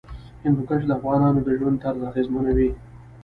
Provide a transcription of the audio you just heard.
هندوکش د افغانانو د ژوند طرز اغېزمنوي.